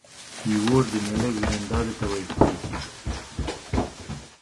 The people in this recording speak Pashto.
يور د مېړه ويرنداري ته ويل کيږي.